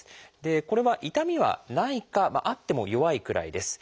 これは痛みはないかあっても弱いくらいです。